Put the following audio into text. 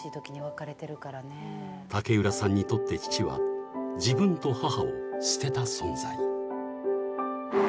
［竹浦さんにとって父は自分と母を捨てた存在］